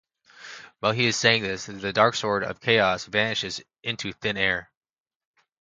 While he is saying this, the Dark Sword of Chaos vanishes into thin air.